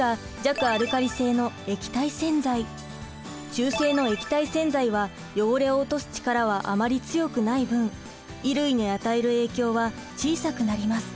中性の液体洗剤は汚れを落とす力はあまり強くない分衣類に与える影響は小さくなります。